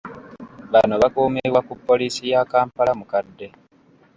Bano bakuumibwa ku Poliisi ya Kampala Mukadde.